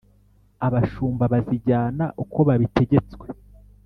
abashumba bazijyana uko babitegetswe.